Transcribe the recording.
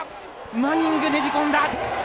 マニングねじ込んだ。